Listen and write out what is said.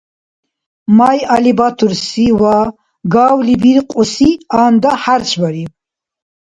Майалибатурси ва гавлибиркьуси анда хӀяршбариб.